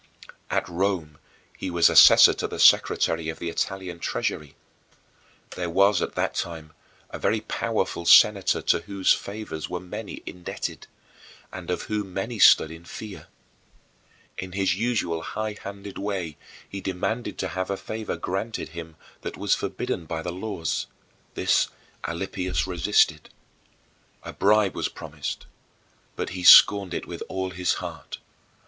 At Rome he was assessor to the secretary of the Italian Treasury. There was at that time a very powerful senator to whose favors many were indebted, and of whom many stood in fear. In his usual highhanded way he demanded to have a favor granted him that was forbidden by the laws. This Alypius resisted. A bribe was promised, but he scorned it with all his heart.